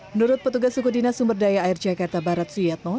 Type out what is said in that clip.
menurut petugas sukudina sumberdaya air jakarta barat suyatmo